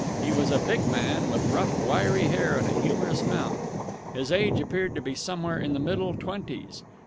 He was a big man with rough, wiry hair and a humorous mouth. His age appeared to be somewhere in the middle twenties.